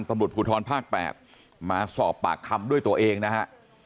ตำรวจภูทรภาค๘มาสอบปากคำด้วยตัวเองนะฮะ